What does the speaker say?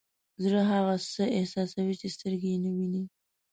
زړه هغه څه احساسوي چې سترګې یې نه ویني.